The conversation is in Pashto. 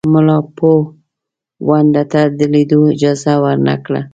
مُلاپوونده ته د لیدلو اجازه ورنه کړه.